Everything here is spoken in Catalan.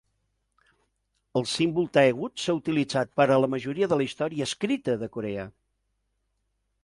El símbol taegeuk s'ha utilitzat per a la majoria de la història escrita de Corea.